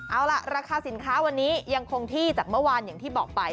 เอาล่ะราคาสินค้าวันนี้ยังคงที่จากเมื่อวานอย่างที่บอกไป